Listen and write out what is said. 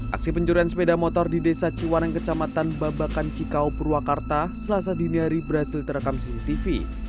aksi pencurian sepeda motor di desa ciwaneng kecamatan babakan cikau purwakarta selasa dini hari berhasil terekam cctv